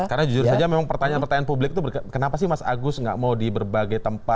karena jujur saja memang pertanyaan pertanyaan publik itu kenapa sih mas agus tidak mau di berbagai tempat